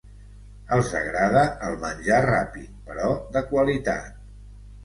Els agrada el menjar ràpid, però de qualitat.